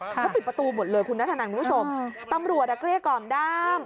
แล้วปิดประตูหมดเลยคุณนัทธนันคุณผู้ชมตำรวจอ่ะเกลี้ยกล่อมด้าม